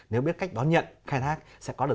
nếu biết cách đón nhận khai thác sẽ có được